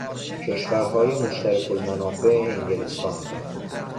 کشورهای مشترک المنافع انگلستان